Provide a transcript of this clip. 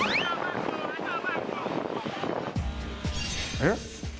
えっ？